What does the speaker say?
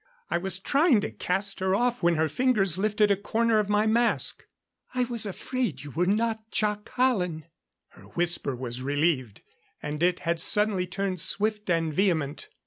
I was trying to cast her off when her fingers lifted a corner of my mask. "I was afraid you were not Jac Hallen." Her whisper was relieved, and it had suddenly turned swift and vehement.